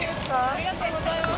ありがとうございます。